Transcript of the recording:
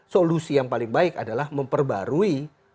solusi yang paling baik adalah memperbarui